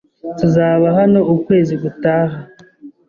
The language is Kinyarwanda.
Tuzaba hano ukwezi gutaha.